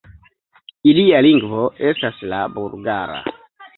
Ilia lingvo estas la bulgara.